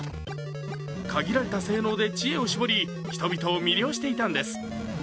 限られた性能で知恵を絞り人々を魅了していたんです。